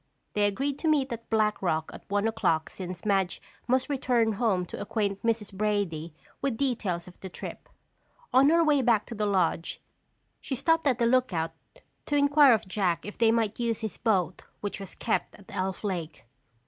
They agreed to meet at Black Rock at one o'clock since Madge must return home to acquaint Mrs. Brady with details of the trip. On her way back to the lodge she stopped at the lookout to inquire of Jack if they might use his boat which was kept at Elf Lake.